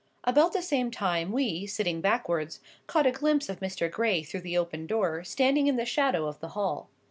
About the same time we, sitting backwards, caught a glimpse of Mr. Gray through the open door, standing in the shadow of the hall.